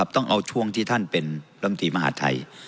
ต้องเอาช่วงที่ท่านเป็นลำตีมหาธัย